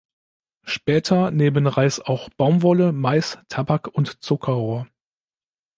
Später neben Reis auch Baumwolle, Mais, Tabak und Zuckerrohr.